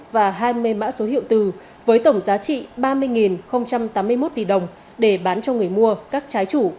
và hai mươi mã số hiệu từ với tổng giá trị ba mươi tám mươi một tỷ đồng để bán cho người mua các trái chủ